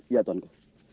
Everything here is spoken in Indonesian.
iya tuan ku